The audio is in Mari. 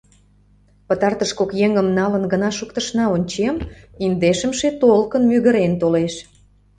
Пытартыш кок еҥым налын гына шуктышна, ончем: индешымше толкын мӱгырен толеш.